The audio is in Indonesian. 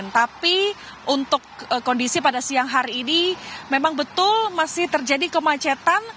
tapi untuk kondisi pada siang hari ini memang betul masih terjadi kemacetan